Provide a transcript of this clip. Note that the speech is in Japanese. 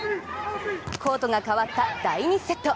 コートが替わった第２セット。